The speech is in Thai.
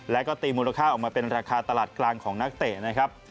แล้วก็ตีมูลค่าออกมาเป็นราคาตลาดกลางของนักเตะนะครับ